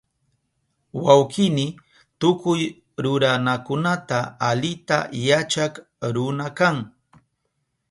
Wawkini tukuy ruranakunata alita yachak runa kan